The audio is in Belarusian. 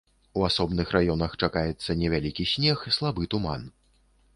У асобных раёнах чакаецца невялікі снег, слабы туман.